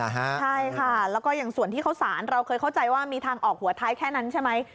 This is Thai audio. ใช่ค่ะแล้วก็อย่างส่วนที่เข้าสารเราเคยเข้าใจว่ามีทางออกหัวท้ายแค่นั้นใช่ไหม